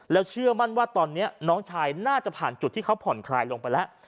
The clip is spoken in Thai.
แล้วเชื่อมั่นว่าตอนนี้น้องชายน่าจะผ่านจุดที่เขาผ่อนคลายลงไปแล้ว